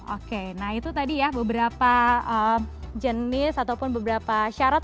oke nah itu tadi ya beberapa jenis ataupun beberapa syarat